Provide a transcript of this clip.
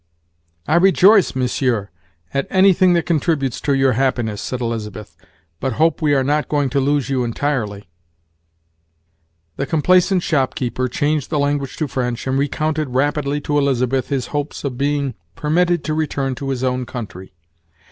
"I rejoice, monsieur, at anything that contributes to your happiness," said Elizabeth, "but hope we are not going to lose you entirely." The complaisant shopkeeper changed the language to French and recounted rapidly to Elizabeth his hopes of being permitted to return to his own country.